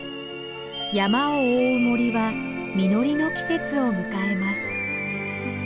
山を覆う森は実りの季節を迎えます。